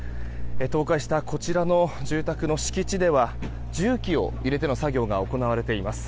倒壊したこちらの住宅の敷地では重機を入れての作業が行われています。